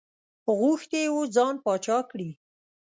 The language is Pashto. غوښتي یې وو ځان پاچا کړي.